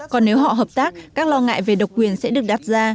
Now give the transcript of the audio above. còn nếu họ hợp tác các lo ngại về độc quyền sẽ được đặt ra